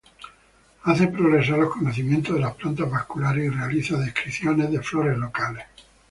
Hace progresar los conocimientos de las plantas vasculares y realiza descripciones de flores locales.